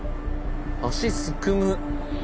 足すくむ！